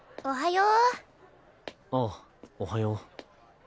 おはよう。